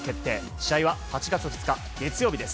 試合は８月２日、月曜日です。